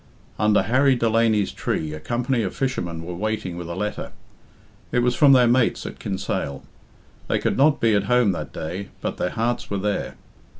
Under Harry Delany's tree a company of fishermen were waiting with a letter. It was from their mates at Kinsale. They could not be at home that day, but their hearts were there.